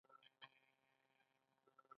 دوی د خپل تاریخ او ارزښتونو ساتونکي او پالونکي دي